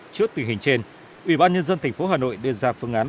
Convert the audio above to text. trước tình hình trên ủy ban nhân dân tp hà nội đưa ra phương án